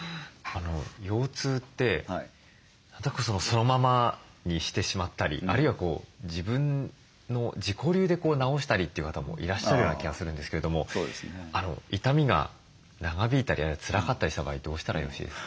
腰痛ってそのままにしてしまったりあるいは自己流で治したりという方もいらっしゃるような気がするんですけども痛みが長引いたりつらかったりした場合どうしたらよろしいですか？